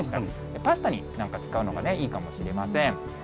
パスタになんか使うのがいいかもしれません。